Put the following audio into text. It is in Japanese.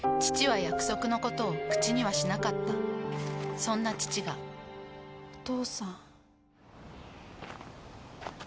父は約束のことを口にはしなかったそんな父がお父さん。